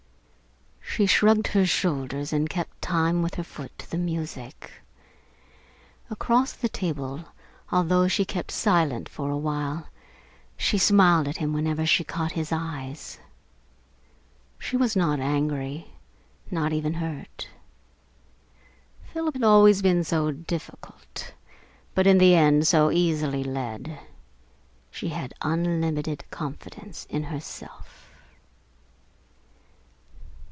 She shrugged her shoulders and kept time with her foot to the music. Across the table, although she kept silence for a while, she smiled at him whenever she caught his eye. She was not angry, not even hurt. Philip had always been so difficult, but in the end so easily led. She had unlimited confidence in herself.